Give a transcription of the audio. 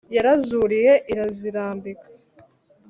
yarazuriye irazirambika